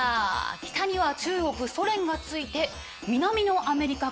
北には中国ソ連がついて南のアメリカ空爆開始。